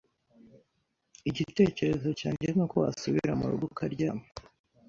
Igitekerezo cyanjye nuko wasubira murugo ukaryama.